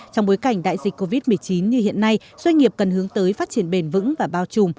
trong bối cảnh đại dịch covid một mươi chín như hiện nay doanh nghiệp cần hướng tới phát triển bền vững và bao trùm